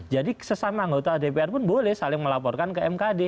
jadi sesama anggota dpr pun boleh saling melaporkan ke mkd